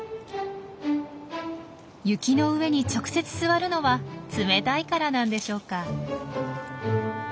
雪の上に直接座るのは冷たいからなんでしょうか。